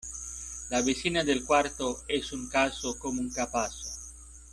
La vecina del cuarto es un caso como un capazo.